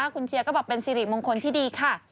คุณเชียร์ก็บอกเป็นสิริมงคลที่ดีค่ะ